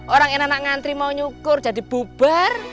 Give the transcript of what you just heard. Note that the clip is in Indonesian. orang yang enak ngantri mau nyukur jadi bubar